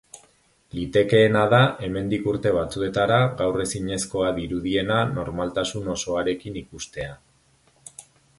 Litekeena da, hemendik urte batzuetara, gaur ezinezkoa dirudiena normaltasun osoarekin ikustea.